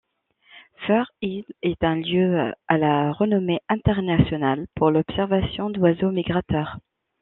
Fair Isle est un lieu à la renommée internationale pour l'observation d'oiseaux migrateurs.